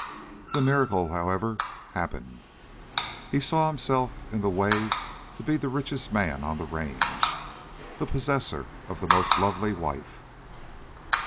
The miracle, however, happened. He saw himself in the way to be the richest man on the range, the possessor of the most lovely wife.